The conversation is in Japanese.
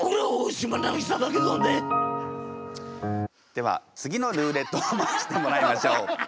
では次のルーレットを回してもらいましょう。